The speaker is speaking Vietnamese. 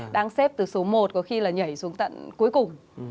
đang xếp từ số một có khi là nhảy xuống tận cuối cùng